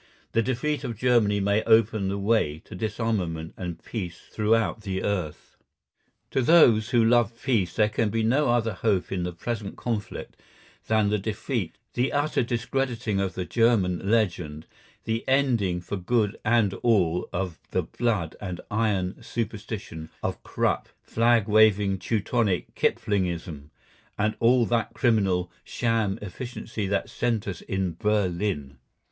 The defeat of Germany may open the way to disarmament and peace throughout the earth. To those who love peace there can be no other hope in the present conflict than the defeat, the utter discrediting of the German legend, the ending for good and all of the blood and iron superstition, of Krupp, flag wagging Teutonic Kiplingism, and all that criminal, sham efficiency that centres in Berlin.